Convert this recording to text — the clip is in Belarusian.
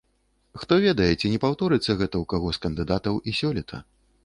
Хто ведае, ці не паўторыцца гэта ў каго з кандыдатаў і сёлета.